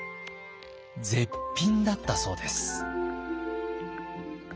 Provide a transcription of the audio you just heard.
絶品だったそうです。